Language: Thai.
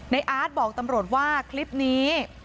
อาร์ตบอกตำรวจว่าคลิปนี้